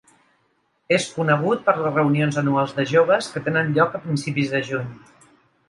És conegut per les reunions anuals de joves que tenen lloc a principis de juny.